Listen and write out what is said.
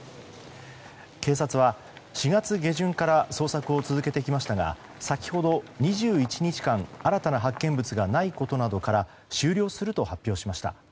警察は４月下旬から捜索を続けてきましたが先ほど、２１日間新たな発見物がないことなどから終了すると発表しました。